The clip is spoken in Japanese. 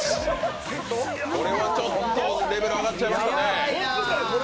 これはちょっとレベル上がっちゃいましたね。